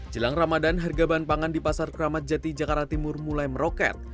jelang ramadan harga bahan pangan di pasar keramat jati jakarta timur mulai meroket